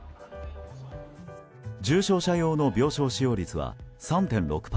重症者用の病床使用率は３．６％。